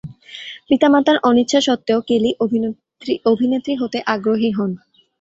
পিতামাতার অনিচ্ছা সত্ত্বেও কেলি অভিনেত্রী হতে আগ্রহী হন।